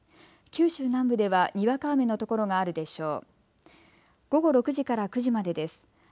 九州南部ではにわか雨の所があるでしょう。